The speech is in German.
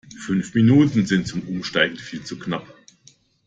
Fünf Minuten sind zum Umsteigen viel zu knapp.